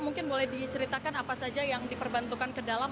mungkin boleh diceritakan apa saja yang diperbantukan ke dalam